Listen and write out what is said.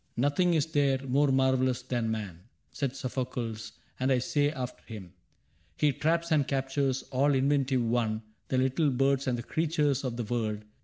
(' Nothing is there more marvelous than man/ Said Sophocles ; and I say after him :' He traps and captures, all inventive one, The light birds and the creatures of the wold.